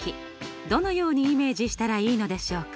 どのようにイメージしたらいいのでしょうか？